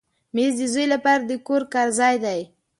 مېز د زوی لپاره د کور کار ځای دی.